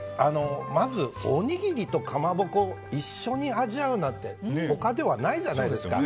まず、おにぎりとかまぼこを一緒に味わうなんて他ではないじゃないですか。